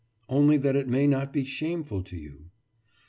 Only that it may not be shameful to you.